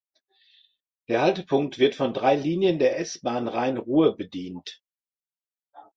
Der Haltepunkt wird von drei Linien der S-Bahn Rhein-Ruhr bedient.